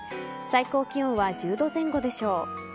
最高気温は１０度前後でしょう。